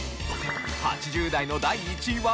８０代の第１位は一体？